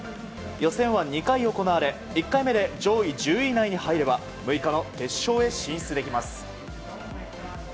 予選は２回行われ、１回目で上位１０位以内に入れば６日の決勝に進出できます。